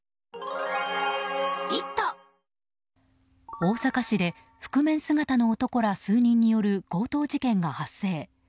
大阪市で覆面姿の男ら数人による強盗事件が発生。